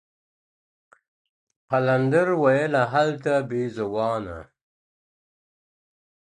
قلندر ويله هلته بيزووانه.